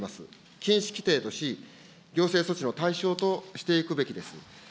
禁止規定とし、行政措置の対象としていくべきです。